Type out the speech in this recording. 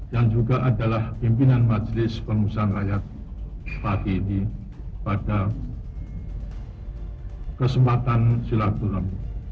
yang juga adalah pimpinan majelis pengusaha layak pahiti pada kesempatan sila turun